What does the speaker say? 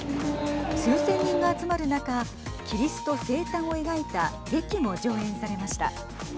数千人が集まる中キリスト生誕を描いた劇も上演されました。